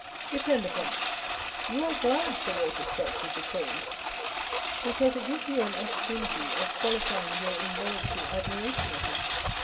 Depend upon it, you are glad Six Walter Scott is a Tory â€" because it gives you an opportunity of qualifying your involuntary admiration of him.